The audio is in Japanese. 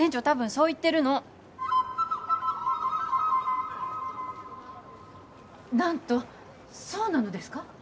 たぶんそう言ってるの何とそうなのですか？